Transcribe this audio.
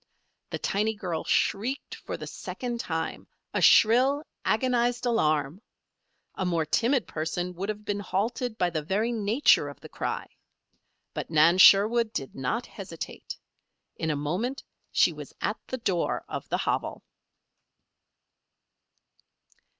The tiny girl shrieked for the second time a shrill, agonized alarm. A more timid person would have been halted by the very nature of the cry. But Nan Sherwood did not hesitate. In a moment she was at the door of the hovel.